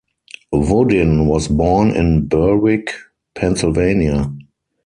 Woodin was born in Berwick, Pennsylvania.